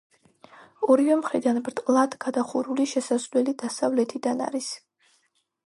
ორივე მხრიდან ბრტყლად გადახურული შესასვლელი დასავლეთიდან არის.